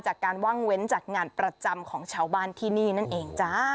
จากการว่างเว้นจากงานประจำของชาวบ้านที่นี่นั่นเองจ้า